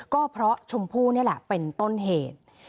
ก็เพราะชมพู่นี่แหละเป็นต้นเหตุ